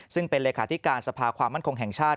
ซึ่งเป็นเลขาธิการสภาความมั่นคงแห่งชาติ